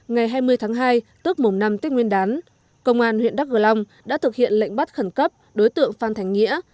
ngày hai mươi tháng hai tức mùng năm tết nguyên đán công an huyện đắk gờ long đã thực hiện lệnh bắt khẩn cấp đối tượng phan thành nghĩa